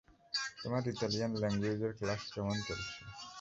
তোমার ইটালিয়ান ল্যাঙ্গুয়েজের ক্লাস কেমন চলছে?